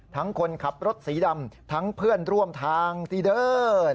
คนขับรถสีดำทั้งเพื่อนร่วมทางตีเดอร์